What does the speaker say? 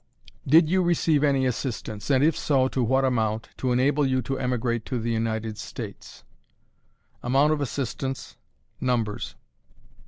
_ DID YOU RECEIVE ANY ASSISTANCE, AND IF SO, TO WHAT AMOUNT, TO ENABLE YOU TO EMIGRATE TO THE UNITED STATES? Amount of Assistance. Numbers.